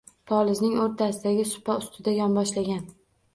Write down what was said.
Polizning o‘rtasidagi supa ustida yonboshlagan